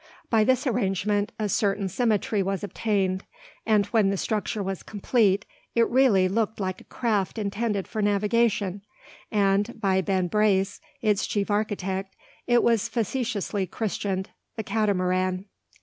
By this arrangement a certain symmetry was obtained; and when the structure was complete, it really looked like a craft intended for navigation, and by Ben Brace, its chief architect, it was facetiously christened The Catamaran.